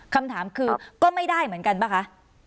คำถามคือก็ไม่ได้เหมือนกันป่ะคะ